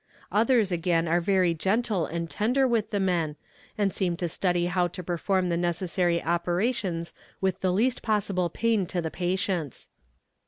Others again are very gentle and tender with the men, and seem to study how to perform the necessary operations with the least possible pain to the patients.